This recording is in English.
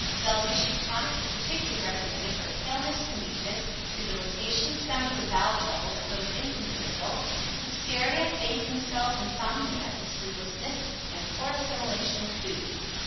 Cell Tissue Tonic is particularly recommended for Paleness and Weakness, Debilitation, Stomach and Bowel Trouble (of both infants and adults), Hysteria, Fainting Spells, Insomnia (sleeplessness) and Poor Assimilation of Food.